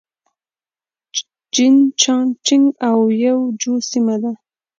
جين چنګ جيانګ او يي جو سيمه وه.